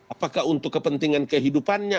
apakah untuk kepentingan kehidupannya